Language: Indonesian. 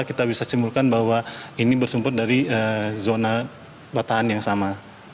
kita bisa simpulkan bahwa ini bersumber dari zona batahan yang sama